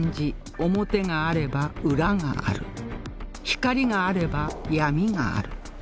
光があれば闇がある